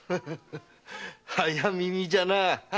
早耳じゃな。